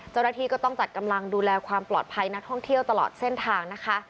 เจ้าหน้าที่ก็ต้องจัดกำลังดูแลความปลอดภัยนักท่องเที่ยวตลอดเส้นทางนะคะ